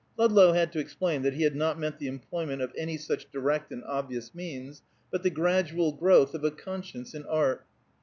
Ludlow had to explain that he had not meant the employment of any such direct and obvious means, but the gradual growth of a conscience in art.